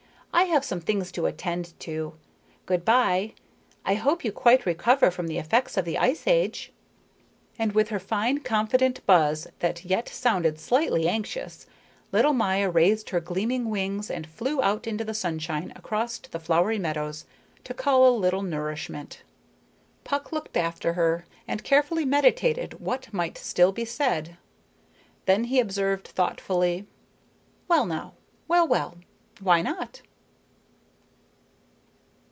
"I have some things to attend to. Good by. I hope you quite recover from the effects of the ice age." And with her fine confident buzz that yet sounded slightly anxious, little Maya raised her gleaming wings and flew out into the sunshine across to the flowery meadows to cull a little nourishment. Puck looked after her, and carefully meditated what might still be said. Then he observed thoughtfully: "Well, now. Well, well. Why not?"